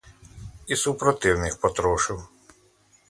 І супротивних потрошив: